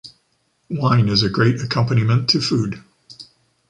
Wine is a great accompaniment to food.